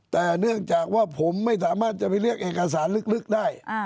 แต่เนื่องจากว่าผมไม่สามารถจะไปเรียกเอกสารลึกได้